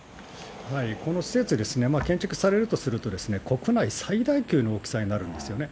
この施設ですね、建築されるとすると、国内最大級の大きさになるんですよね。